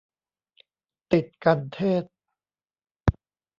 ติดกัณฑ์เทศน์